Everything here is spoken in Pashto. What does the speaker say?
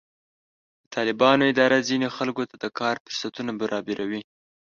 د طالبانو اداره ځینې خلکو ته د کار فرصتونه برابروي.